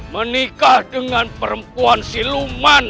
menikah dengan perempuan siluman